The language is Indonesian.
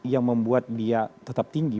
yang membuat dia tetap tinggi